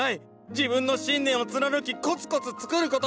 自分の信念を貫きコツコツ作ること。